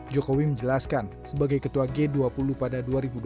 jokowi menjelaskan sebagai ketua g dua puluh pada dua ribu dua puluh